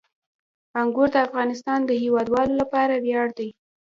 انګور د افغانستان د هیوادوالو لپاره ویاړ دی.